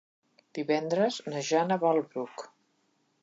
Divendres na Jana va al Bruc.